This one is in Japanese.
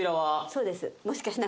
そうです。